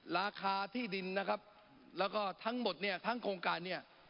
ราคาที่ดินนะครับแล้วก็ทั้งหมดเนี่ยทั้งโครงการเนี่ย